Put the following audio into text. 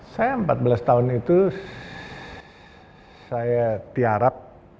saya empat belas tahun itu saya tiarap